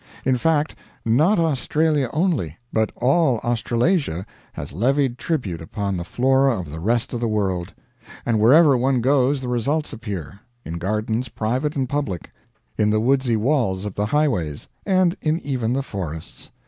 In fact, not Australia only, but all Australasia has levied tribute upon the flora of the rest of the world; and wherever one goes the results appear, in gardens private and public, in the woodsy walls of the highways, and in even the forests.